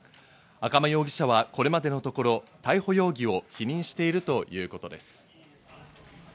赤間容疑者はこれまでのところ、逮捕容疑を否認しているということです。